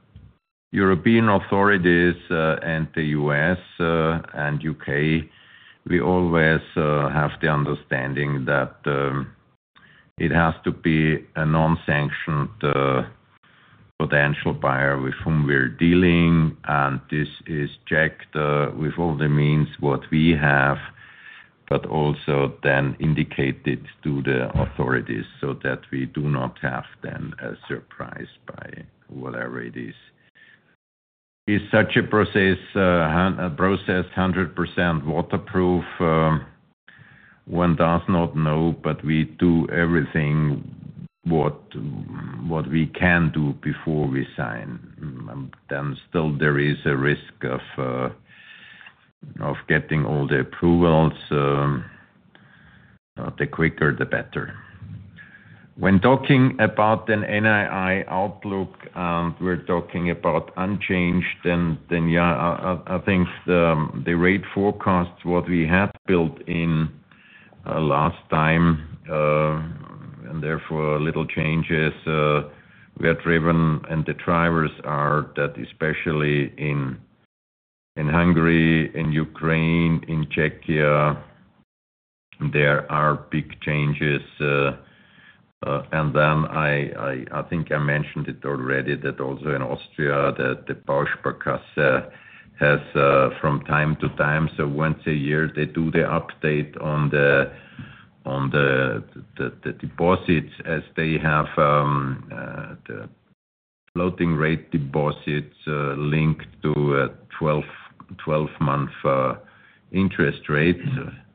European authorities and the U.S. and U.K., we always have the understanding that it has to be a non-sanctioned potential buyer with whom we're dealing, and this is checked with all the means what we have, but also then indicated to the authorities so that we do not have then a surprise by whatever it is. Is such a process 100% waterproof? One does not know, but we do everything what we can do before we sign. Then still, there is a risk of getting all the approvals. The quicker, the better. When talking about the NII outlook and we're talking about unchanged, then yeah, I think the rate forecast, what we had built in last time and therefore little changes, we are driven, and the drivers are that especially in Hungary, in Ukraine, in Czechia, there are big changes. And then I think I mentioned it already that also in Austria, that the Bausparkasse has from time to time, so once a year, they do the update on the deposits as they have the floating rate deposits linked to a 12-month interest rate,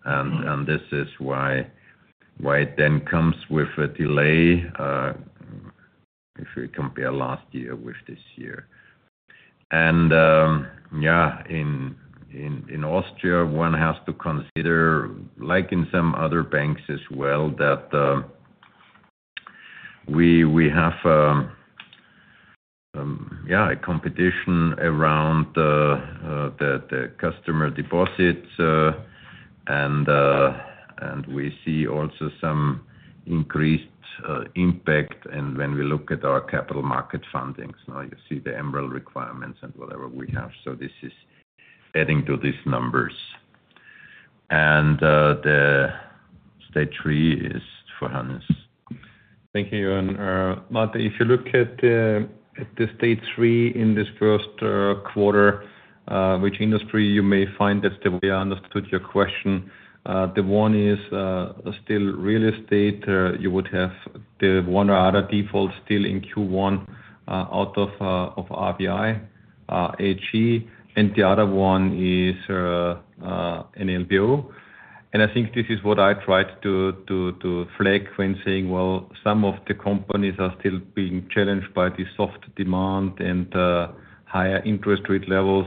and this is why it then comes with a delay if we compare last year with this year. Yeah, in Austria, one has to consider, like in some other banks as well, that we have, yeah, a competition around the customer deposits, and we see also some increased impact when we look at our capital market fundings. Now, you see the MREL requirements and whatever we have, so this is adding to these numbers. The Stage 3 is for Hannes. Thank you, Johann. Máté, if you look at the Stage 3 in this first quarter, which industry you may find, that's the way I understood your question. The one is still real estate. You would have the one or other default still in Q1 out of RBI AG, and the other one is an LBO. I think this is what I tried to flag when saying, "Well, some of the companies are still being challenged by the soft demand and higher interest rate levels."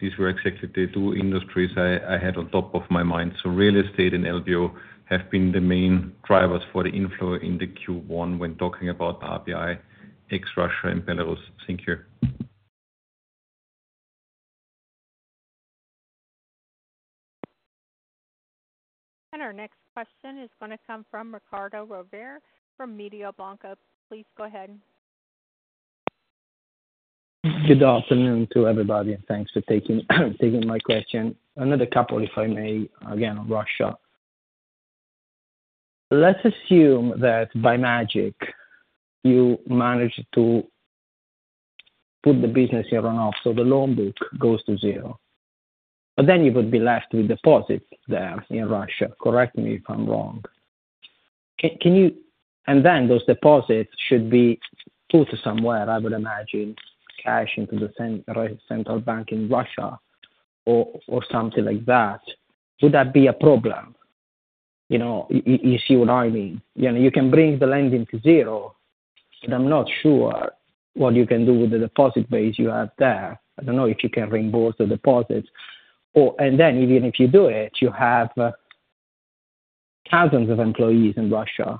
These were exactly the two industries I had on top of my mind. So real estate and LBO have been the main drivers for the inflow in the Q1 when talking about RBI ex-Russia and Belarus. Thank you. And our next question is going to come from Riccardo Rovere from Mediobanca. Please go ahead. Good afternoon to everybody, and thanks for taking my question. Another couple, if I may, again, on Russia. Let's assume that by magic, you manage to put the business in runoff, so the loan book goes to zero. But then you would be left with deposits there in Russia. Correct me if I'm wrong. And then those deposits should be put somewhere, I would imagine, cash into the central bank in Russia or something like that. Would that be a problem? You see what I mean? You can bring the lending to zero, but I'm not sure what you can do with the deposit base you have there. I don't know if you can reimburse the deposits. And then even if you do it, you have thousands of employees in Russia.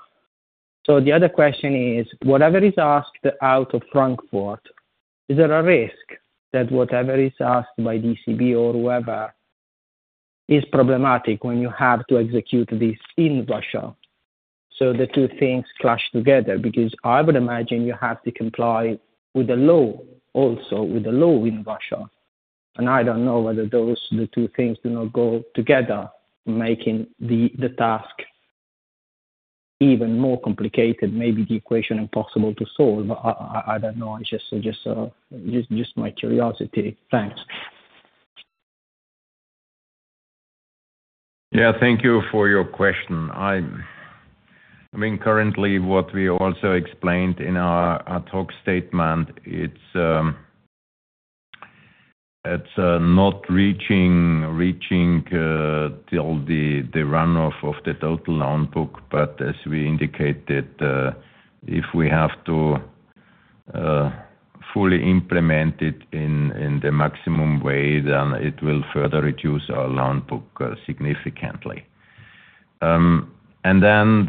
So the other question is, whatever is asked out of Frankfurt, is there a risk that whatever is asked by ECB or whoever is problematic when you have to execute this in Russia? So the two things clash together because I would imagine you have to comply with the law also, with the law in Russia. And I don't know whether those two things do not go together, making the task even more complicated, maybe the equation impossible to solve. I don't know. It's just my curiosity. Thanks. Yeah, thank you for your question. I mean, currently, what we also explained in our talk statement, it's not reaching till the runoff of the total loan book, but as we indicated, if we have to fully implement it in the maximum way, then it will further reduce our loan book significantly. And then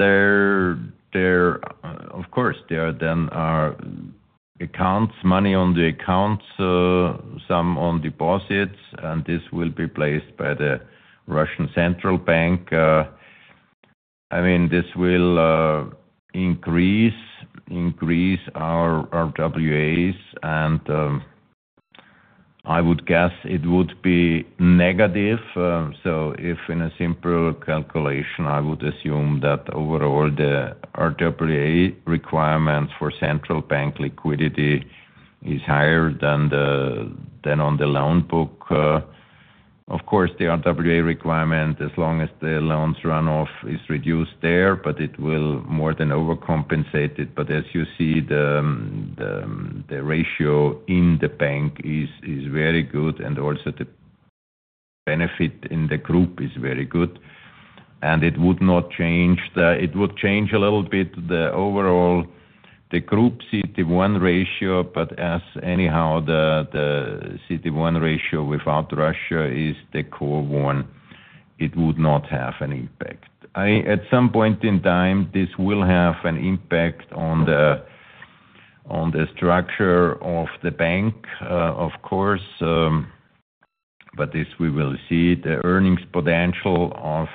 of course, there then are accounts, money on the accounts, some on deposits, and this will be placed by the Russian Central Bank. I mean, this will increase RWAs, and I would guess it would be negative. So if in a simple calculation, I would assume that overall, the RWA requirements for central bank liquidity is higher than on the loan book. Of course, the RWA requirement, as long as the loan's runoff is reduced there, but it will more than overcompensate it. But as you see, the ratio in the bank is very good, and also the benefit in the group is very good. And it would not change. It would change a little bit the overall the group CET1 ratio, but as anyhow, the CET1 ratio without Russia is the core one. It would not have an impact. At some point in time, this will have an impact on the structure of the bank, of course, but this we will see. The earnings potential of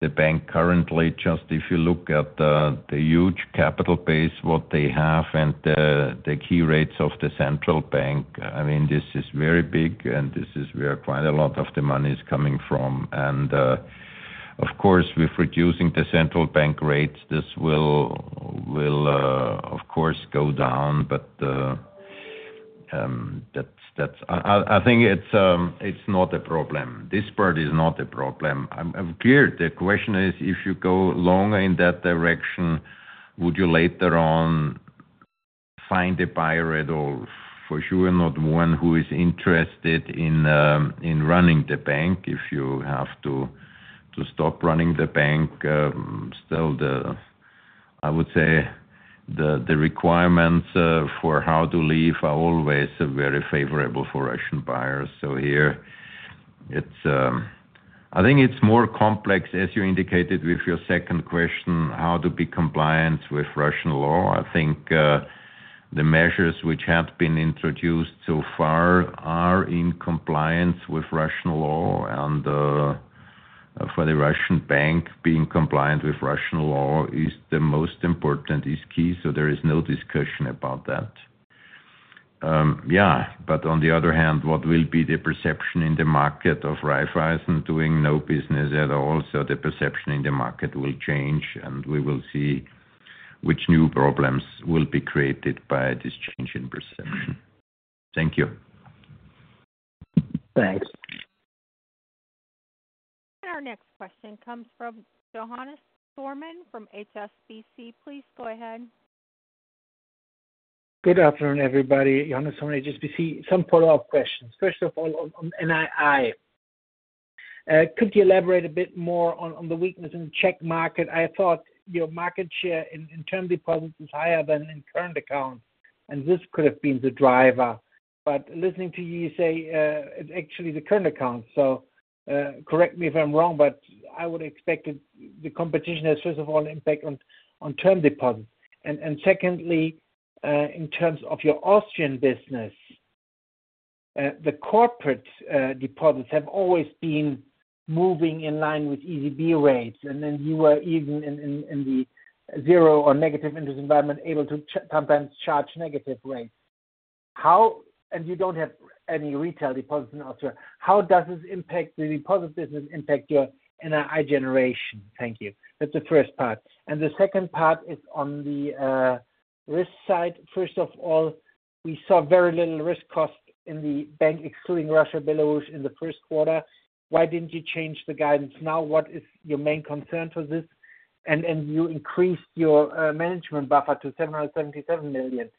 the bank currently, just if you look at the huge capital base, what they have, and the key rates of the central bank, I mean, this is very big, and this is where quite a lot of the money is coming from. Of course, with reducing the central bank rates, this will, of course, go down, but I think it's not a problem. This part is not a problem. I'm clear. The question is, if you go longer in that direction, would you later on find a buyer at all? For sure, not one who is interested in running the bank if you have to stop running the bank. Still, I would say the requirements for how to leave are always very favorable for Russian buyers. So here, I think it's more complex, as you indicated with your second question, how to be compliant with Russian law. I think the measures which have been introduced so far are in compliance with Russian law, and for the Russian bank, being compliant with Russian law is the most important, is key. So there is no discussion about that. Yeah, but on the other hand, what will be the perception in the market of Raiffeisen doing no business at all? So the perception in the market will change, and we will see which new problems will be created by this change in perception. Thank you. Thanks. And our next question comes from Johannes Thormann from HSBC. Please go ahead. Good afternoon, everybody. Johannes Thormann, HSBC. Some follow-up questions. First of all, on NII, could you elaborate a bit more on the weakness in the Czech market? I thought your market share in term deposits is higher than in current accounts, and this could have been the driver. But listening to you, you say actually the current accounts. So correct me if I'm wrong, but I would expect the competition has, first of all, an impact on term deposits. Secondly, in terms of your Austrian business, the corporate deposits have always been moving in line with ECB rates, and then you were even in the zero or negative interest environment able to sometimes charge negative rates. You don't have any retail deposits in Austria. How does this impact the deposit business, impact your NII generation? Thank you. That's the first part. The second part is on the risk side. First of all, we saw very little risk cost in the bank, excluding Russia, Belarus, in the first quarter. Why didn't you change the guidance now? What is your main concern for this? You increased your management buffer to 777 million.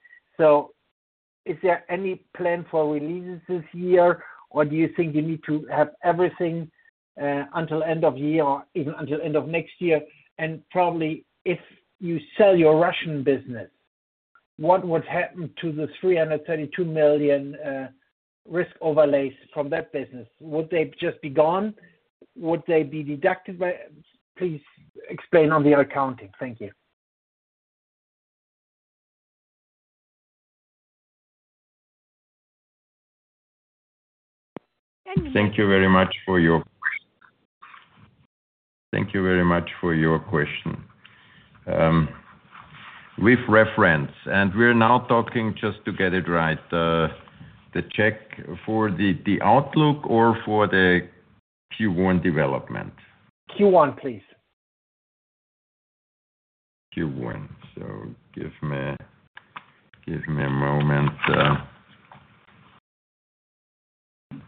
So is there any plan for releases this year, or do you think you need to have everything until end of year or even until end of next year? And probably, if you sell your Russian business, what would happen to the 332 million risk overlays from that business? Would they just be gone? Would they be deducted by please explain on the accounting. Thank you. Thank you very much for your question. Thank you very much for your question. With reference, and we're now talking just to get it right, the check for the outlook or for the Q1 development? Q1, please. Q1. So give me a moment.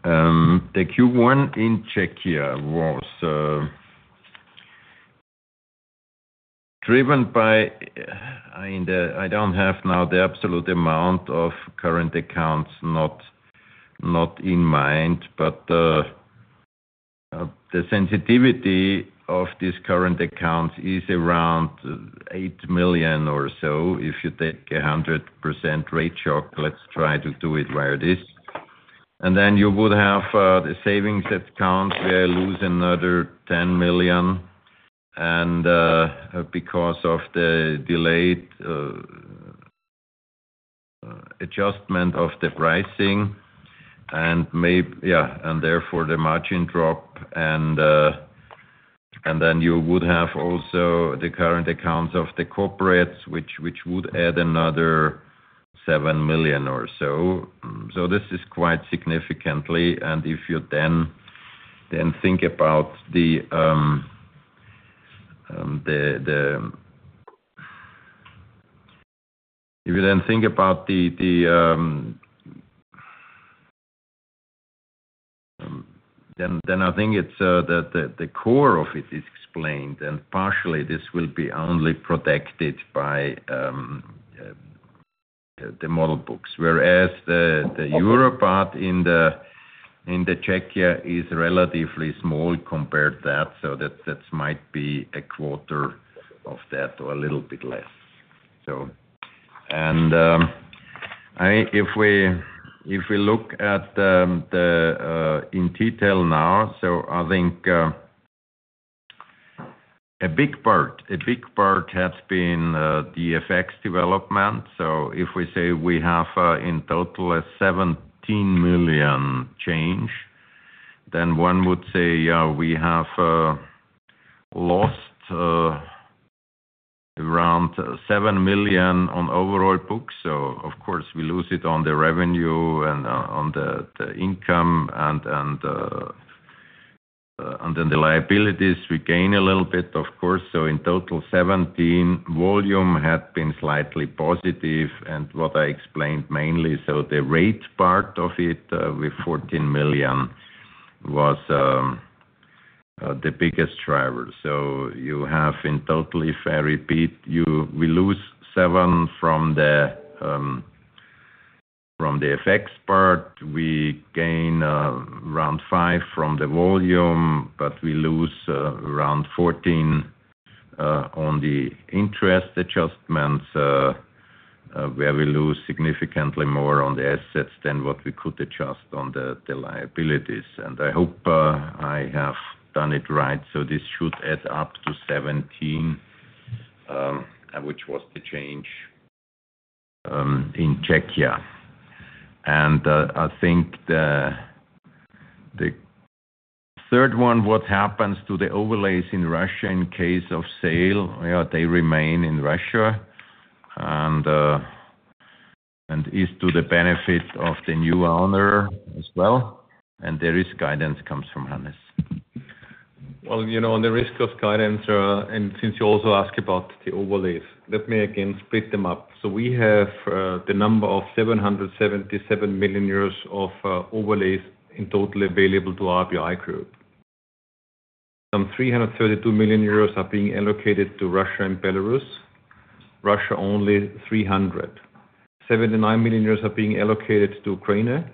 The Q1 in Czechia was driven by I don't have now the absolute amount of current accounts not in mind, but the sensitivity of these current accounts is around 8 million or so. If you take a 100% rate shock, let's try to do it where it is. And then you would have the savings accounts where you lose another 10 million, and because of the delayed adjustment of the pricing and therefore the margin drop, and then you would have also the current accounts of the corporates, which would add another 7 million or so. So this is quite significantly. And if you then think about the then I think the core of it is explained, and partially, this will be only protected by the model books, whereas the Euro part in the Czechia is relatively small compared to that, so that might be a quarter of that or a little bit less, so. And if we look at it in detail now, so I think a big part has been the effects development. So if we say we have in total a 17 million change, then one would say we have lost around 7 million on overall books. So of course, we lose it on the revenue and on the income, and then the liabilities we gain a little bit, of course. So in total, 17 million. Volume had been slightly positive, and what I explained mainly, so the rate part of it with 14 million was the biggest driver. So you have in total, if I repeat, we lose 7 million from the effects part. We gain around 5 million from the volume, but we lose around 14 million on the interest adjustments, where we lose significantly more on the assets than what we could adjust on the liabilities. And I hope I have done it right. So this should add up to 17 million, which was the change in Czechia. And I think the third one, what happens to the overlays in Russia in case of sale, they remain in Russia and is to the benefit of the new owner as well. And there is guidance comes from Hannes. Well, on the risk of guidance, and since you also asked about the overlays, let me, again, split them up. So we have the number of 777 million euros of overlays in total available to RBI Group. Some 332 million euros are being allocated to Russia and Belarus, Russia only 300 million. 79 million euros are being allocated to Ukraine.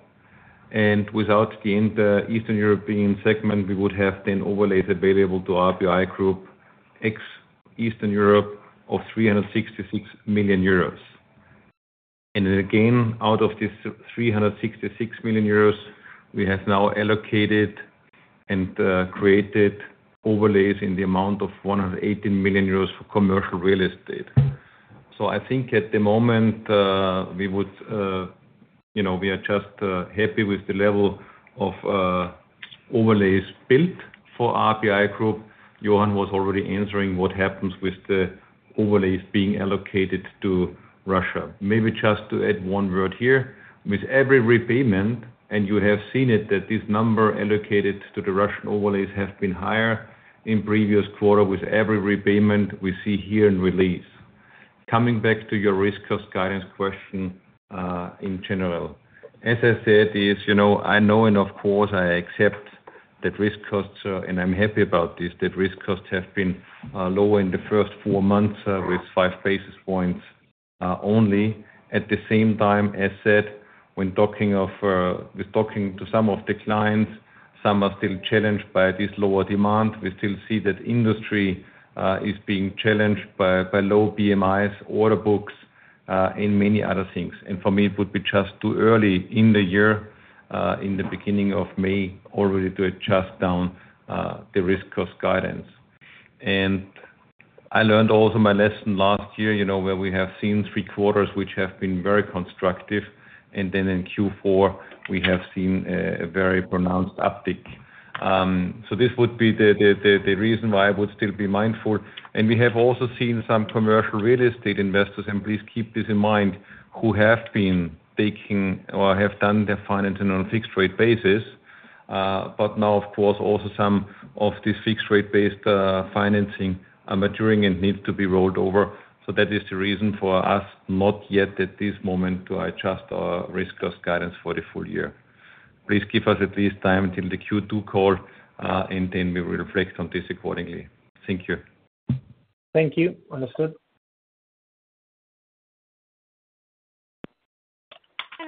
And without the Eastern European segment, we would have then overlays available to RBI Group ex-Eastern Europe of 366 million euros. And then again, out of these 366 million euros, we have now allocated and created overlays in the amount of 118 million euros for commercial real estate. So I think at the moment, we are just happy with the level of overlays built for RBI Group. Johann was already answering what happens with the overlays being allocated to Russia. Maybe just to add one word here, with every repayment, and you have seen it, that this number allocated to the Russian overlays have been higher in previous quarter with every repayment we see here in release. Coming back to your risk cost guidance question in general, as I said, I know and of course, I accept that risk costs, and I'm happy about this, that risk costs have been lower in the first four months with five basis points only. At the same time, as said, when talking to some of the clients, some are still challenged by this lower demand. We still see that industry is being challenged by low PMIs, order books, and many other things. And for me, it would be just too early in the year, in the beginning of May, already to adjust down the risk cost guidance. And I learned also my lesson last year, where we have seen three quarters which have been very constructive, and then in Q4, we have seen a very pronounced uptick. So this would be the reason why I would still be mindful. And we have also seen some commercial real estate investors, and please keep this in mind, who have been taking or have done their financing on a fixed-rate basis, but now, of course, also some of this fixed-rate-based financing are maturing and need to be rolled over. So that is the reason for us not yet at this moment to adjust our risk cost guidance for the full year. Please give us at least time until the Q2 call, and then we will reflect on this accordingly. Thank you. Thank you. Understood.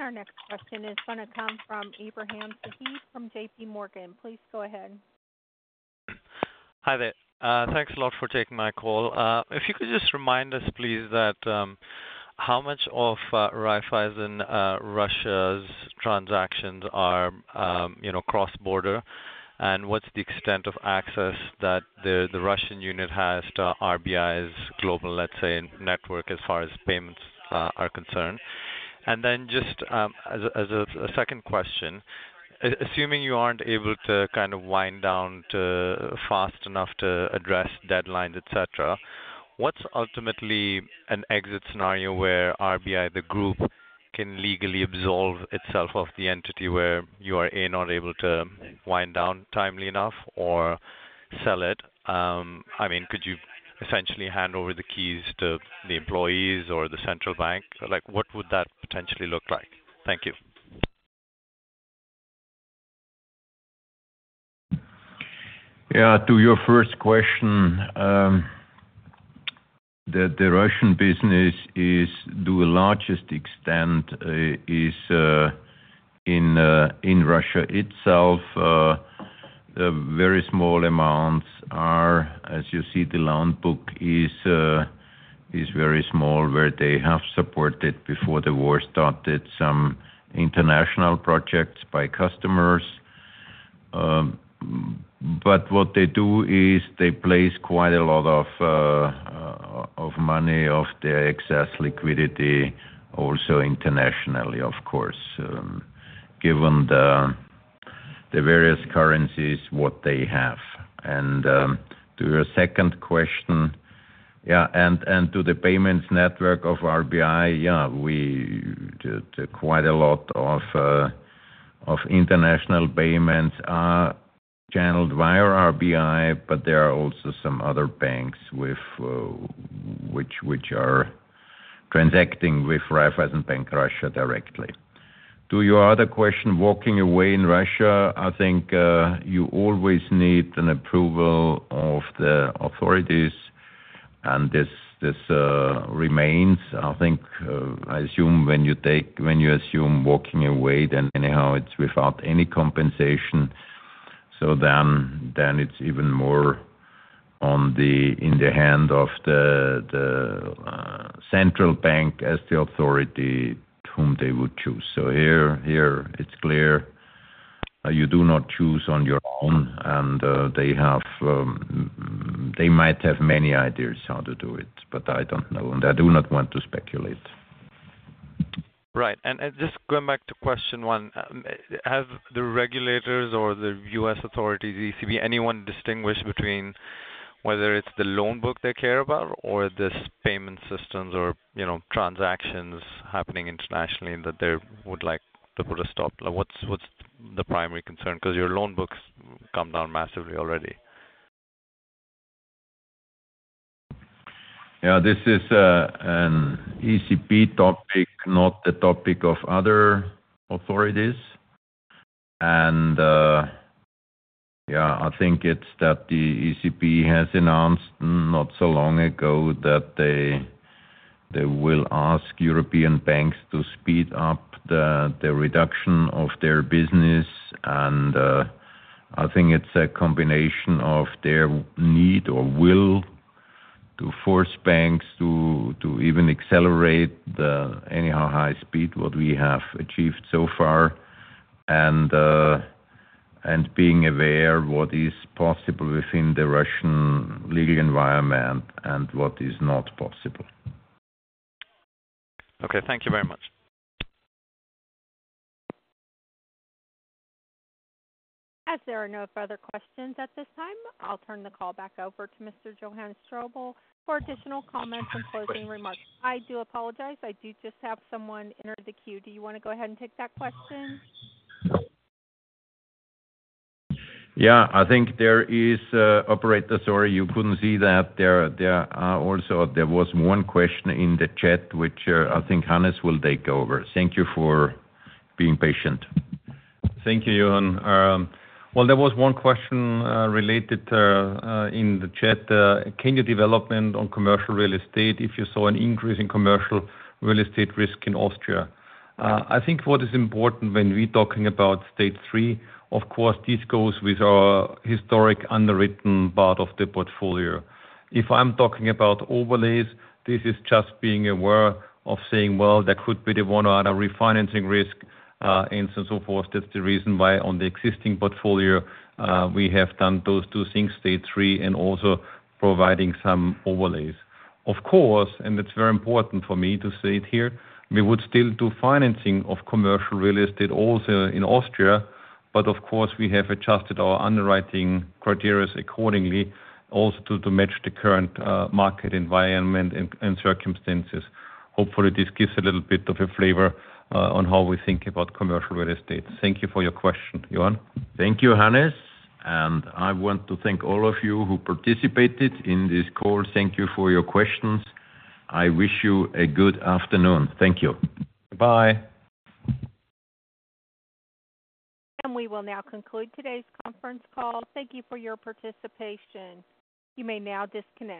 Our next question is going to come from Abraham Saheed from J.P. Morgan. Please go ahead. Hi there. Thanks a lot for taking my call. If you could just remind us, please, how much of Raiffeisen Russia's transactions are cross-border, and what's the extent of access that the Russian unit has to RBI's global, let's say, network as far as payments are concerned? And then just as a second question, assuming you aren't able to kind of wind down fast enough to address deadlines, etc., what's ultimately an exit scenario where RBI, the group, can legally absolve itself of the entity where you are not able to wind down timely enough or sell it? I mean, could you essentially hand over the keys to the employees or the central bank? What would that potentially look like? Thank you. Yeah. To your first question, the Russian business, to the largest extent, is in Russia itself. Very small amounts are. As you see, the loan book is very small, where they have supported before the war started some international projects by customers. But what they do is they place quite a lot of money of their excess liquidity also internationally, of course, given the various currencies, what they have. And to your second question, yeah, and to the payments network of RBI, yeah, quite a lot of international payments are channeled via RBI, but there are also some other banks which are transacting with Raiffeisen Bank Russia directly. To your other question, walking away in Russia, I think you always need an approval of the authorities, and this remains, I think, I assume, when you assume walking away, then anyhow, it's without any compensation. So then it's even more in the hand of the central bank as the authority whom they would choose. So here it's clear. You do not choose on your own, and they might have many ideas how to do it, but I don't know, and I do not want to speculate. Right. Just going back to question one, have the regulators or the U.S. authorities, the ECB, anyone distinguish between whether it's the loan book they care about or this payment systems or transactions happening internationally that they would like to put a stop? What's the primary concern? Because your loan books come down massively already. Yeah. This is an ECB topic, not the topic of other authorities. And yeah, I think it's that the ECB has announced not so long ago that they will ask European banks to speed up the reduction of their business. And I think it's a combination of their need or will to force banks to even accelerate the anyhow high speed what we have achieved so far and being aware what is possible within the Russian legal environment and what is not possible. Okay. Thank you very much. As there are no further questions at this time, I'll turn the call back over to Mr. Johann Strobl for additional comments and closing remarks. I do apologize. I do just have someone entered the queue. Do you want to go ahead and take that question? Yeah. I think there is, Operator, sorry, you couldn't see that. There was one question in the chat, which I think Hannes will take over. Thank you for being patient. Thank you, Johann. Well, there was one question raised in the chat. Can you elaborate on commercial real estate if you saw an increase in commercial real estate risk in Austria? I think what is important when we're talking about Stage 3, of course, this goes with our historic underwritten part of the portfolio. If I'm talking about overlays, this is just being aware of saying, "Well, there could be the one or other refinancing risk," and so forth. That's the reason why on the existing portfolio, we have done those two things, Stage 3, and also providing some overlays. Of course, and it's very important for me to say it here, we would still do financing of commercial real estate also in Austria, but of course, we have adjusted our underwriting criteria accordingly also to match the current market environment and circumstances. Hopefully, this gives a little bit of a flavor on how we think about commercial real estate. Thank you for your question. Johann? Thank you, Hannes. And I want to thank all of you who participated in this call. Thank you for your questions. I wish you a good afternoon. Thank you. Goodbye. And we will now conclude today's conference call. Thank you for your participation. You may now disconnect.